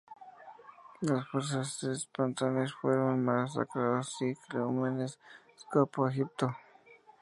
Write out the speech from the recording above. Las fuerzas espartanas fueron masacradas y Cleómenes escapó a Egipto.